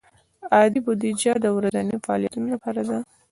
عادي بودیجه د ورځنیو فعالیتونو لپاره ده.